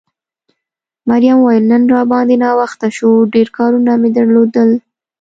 مريم وویل نن را باندې ناوخته شو، ډېر کارونه مې درلودل.